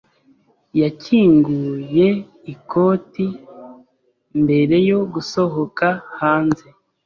Yakinguye ikote mbere yo gusohoka hanze.